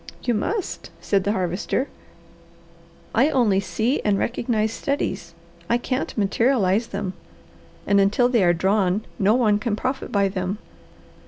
"You must," said the Harvester. "I only see and recognize studies; I can't materialize them, and until they are drawn, no one can profit by them.